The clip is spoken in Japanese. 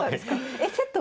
えセット